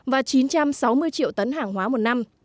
và chín trăm sáu mươi triệu tấn hàng hóa một năm